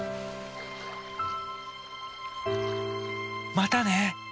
またね！